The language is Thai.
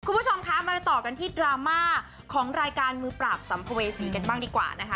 คุณผู้ชมคะมาต่อกันที่ดราม่าของรายการมือปราบสัมภเวษีกันบ้างดีกว่านะคะ